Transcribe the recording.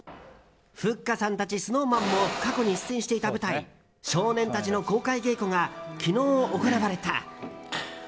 ふっかさんたちＳｎｏｗＭａｎも過去に出演していた舞台「少年たち」の公開稽古が昨日行われた。